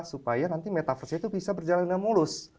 supaya nanti metaversenya itu bisa berjalan dengan mulus